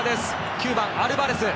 ９番、アルバレス。